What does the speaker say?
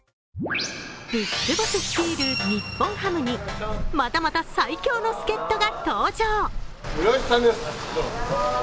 ビッグボス率いる日本ハムにまたまた最強の助っとが登場。